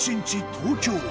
東京。